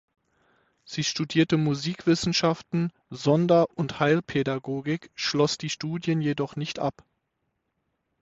Sie studierte Musikwissenschaften, Sonder- und Heilpädagogik, schloss die Studien jedoch nicht ab.